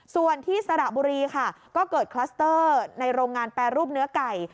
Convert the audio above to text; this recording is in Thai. ส่วนที่สระบุรีค่ะก็เกิดคลัสเตอร์ในโรงงานแปรรูปเนื้อไก่